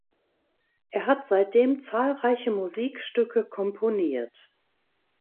Er hat seitdem zahlreiche Musikstücke komponiert.